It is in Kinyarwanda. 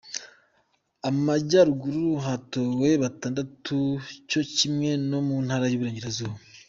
Amajyaruguru hatowe batandatu cyo kimwe no mu Ntara y’Uburengerazuba.